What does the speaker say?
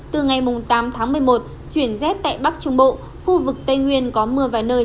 từ ngày tám tháng một mươi một chuyển rét tại bắc trung bộ khu vực tây nguyên có mưa vài nơi